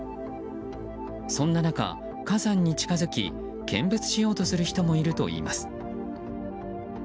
そんな中、火山に近づき見物しようとする人もいるといいます。